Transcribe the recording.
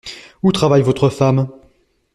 Où travaille votre femme ?